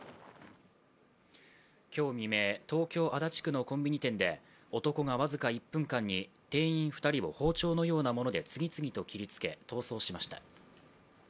今日未明、東京・足立区のコンビニ店で男が僅か１分間で、店員２人を包丁のようなもので次々と切りつけ、逃走しました。